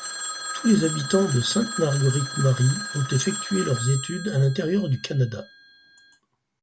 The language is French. Tous les habitants de Sainte-Marguerite-Marie ont effectué leurs études à l'intérieur du Canada.